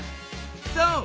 そう！